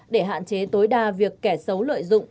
để hạn chế tối đa việc kẻ xấu lợi dụng